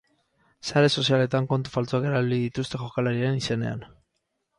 Sare sozialetan kontu faltsuak erabili dituzte jokalarien izenean.